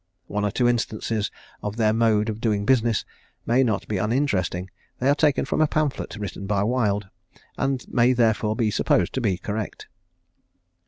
One or two instances of their mode of doing business may not be uninteresting. They are taken from a pamphlet written by Wild, and may therefore be supposed to be correct.